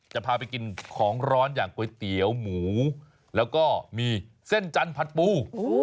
จะพาไปกินของร้อนอย่างก๋วยเตี๋ยวหมูแล้วก็มีเส้นจันทร์ผัดปู